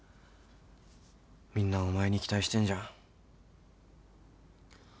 みんなお前に期待してんじゃん。